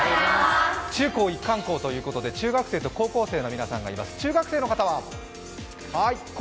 中高一貫校ということで中学生と高校生の皆さんがいます。